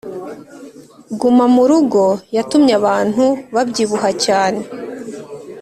Guma murugo yatumye abantu babyibuha cyane